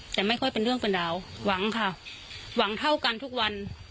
แต่ไม่ค่อยเป็นเรื่องเป็นราวหวังค่ะหวังเท่ากันทุกวัน